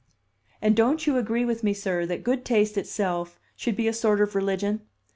And don't you agree with me, sir, that good taste itself should be a sort of religion?